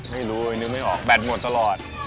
ไม่รู้นึกไม่ออกแบตหมดตลอด